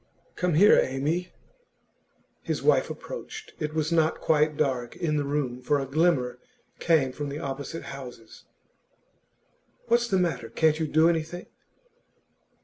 'Come here, Amy.' His wife approached. It was not quite dark in the room, for a glimmer came from the opposite houses. 'What's the matter? Can't you do anything?